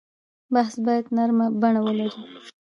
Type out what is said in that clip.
بحث باید نرمه بڼه ولري.